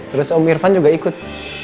terus om irfan juga ikut